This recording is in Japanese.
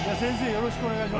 よろしくお願いします